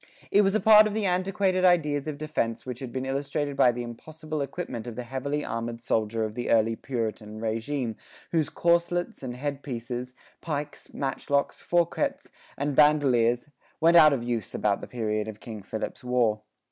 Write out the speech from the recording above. It was a part of the antiquated ideas of defense which had been illustrated by the impossible equipment of the heavily armored soldier of the early Puritan régime whose corslets and head pieces, pikes, matchlocks, fourquettes and bandoleers, went out of use about the period of King Philip's War.